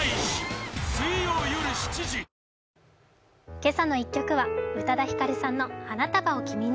「けさの１曲」は宇多田ヒカルさんの「花束を君に」。